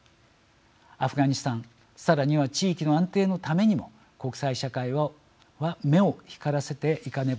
アフガニスタンさらには地域の安定のためにも国際社会は目を光らせていかねばなりません。